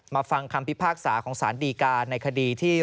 ฟังคำพิพากษาของสารดีการในคดีที่